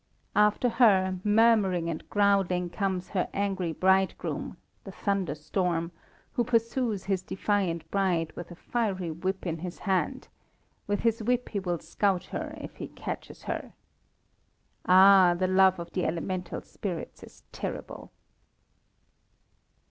After her, murmuring and growling, comes her angry bridegroom the thunderstorm who pursues his defiant bride with a fiery whip in his hand; with his whip he will scourge her if he catches her. Ah! the love of the elemental spirits is terrible.